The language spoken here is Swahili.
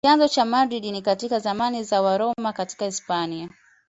Chanzo cha Madrid ni katika zamani za Waroma katika Hispania.